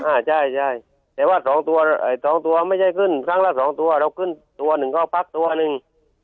อ่าใช่ใช่แต่ว่าสองตัวไอ้สองตัวไม่ใช่ขึ้นครั้งละสองตัวเราขึ้นตัวหนึ่งก็พักตัวหนึ่ง